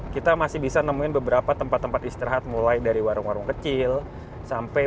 kita masih bisa nemuin beberapa tempat tempat istirahat mulai dari warung warung kecil sampai